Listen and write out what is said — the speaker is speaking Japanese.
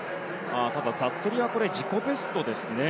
ただ、ザッツェリは自己ベストですね。